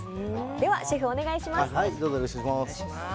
では、シェフお願いします。